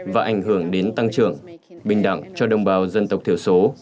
và ảnh hưởng đến tăng trưởng bình đẳng cho đồng bào dân tộc thiểu số